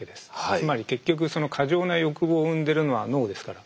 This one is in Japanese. つまり結局その過剰な欲望を生んでるのは脳ですから。